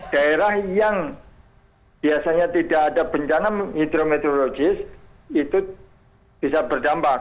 daerah yang biasanya tidak ada bencana hidrometeorologis itu bisa berdampak